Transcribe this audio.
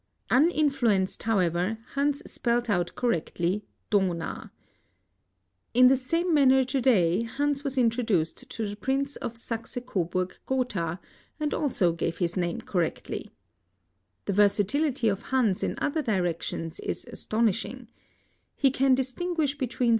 Un influenced, however, Hans spelt out cor rectly "Dofina" in the same manner to day Hans was introduced to the Prindie of ..i HANS AND HIS OWNER^ HERR VON OSTEN. Sachse Coburg Gotha. and also gave hU name correctly. The versatility of Hans in other direc tions Is astonishing. He can distinguisll bet ween